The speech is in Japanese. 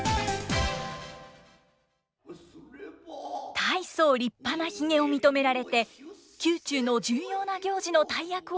大層立派なひげを認められて宮中の重要な行事の大役を仰せつかった男。